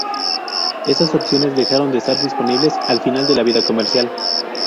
Estas opciones dejaron de estar disponibles al final de la vida comercial.